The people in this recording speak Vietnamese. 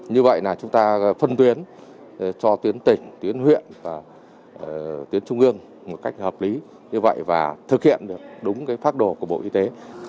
như vậy là chúng ta phân tuyến cho tuyến tỉnh tuyến huyện và tuyến trung ương một cách hợp lý như vậy và thực hiện được đúng pháp đồ của bộ y tế